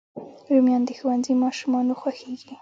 رومیان د ښوونځي ماشومانو خوښېږي